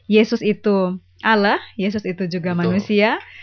yesus itu ala yesus itu juga manusia